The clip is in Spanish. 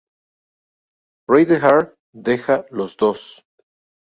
Reinhardt deja los dos.